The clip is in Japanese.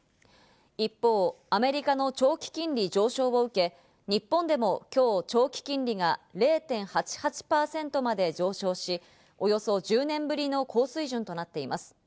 一方、アメリカの長期金利上昇を受け、日本でもきょう長期金利が０．８８％まで上昇し、およそ１０年ぶりの高水準となっています。